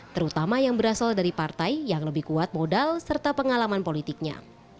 terutama yang berasal dari partai yang lebih kuat modal serta pengalaman politiknya